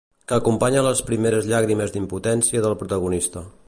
Que acompanya les primeres llàgrimes d'impotència del protagonista.